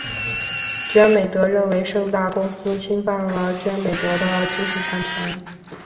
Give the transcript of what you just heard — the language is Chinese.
娱美德认为盛大公司侵犯了娱美德的知识产权。